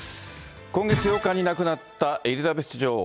今月８日に亡くなったエリザベス女王。